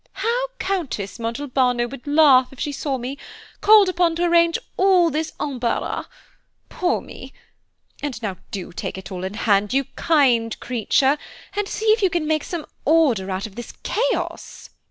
"How Countess Montalbano would laugh if she saw me called upon to arrange all this embarras –poor me! and so now do take it all in hand, you kind creature, and see if you can make some order out of this chaos."